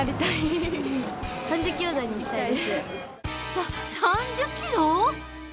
さ３０キロ！？